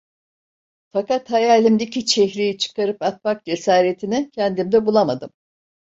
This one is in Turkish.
Fakat hayalimdeki çehreyi çıkarıp atmak cesaretini kendimde bulamadım.